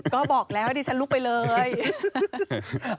ก็บอกแล้วดิฉันลุกไปเลย